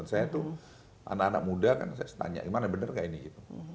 saya tuh anak anak muda kan saya tanya gimana bener gak ini gitu